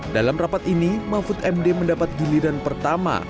dalam rapat ini mahfud md mendapat giliran pertama